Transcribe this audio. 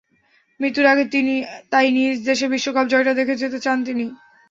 মৃত্যুর আগে তিনি তাই নিজ দেশের বিশ্বকাপ জয়টা দেখে যেতে চান তিনি।